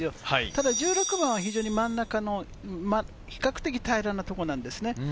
ただ１６番は真ん中の比較的平らなところなんですね。